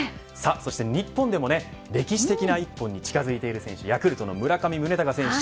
そして、日本でも歴史的な１本に近づいている選手ヤクルト村上宗隆選手。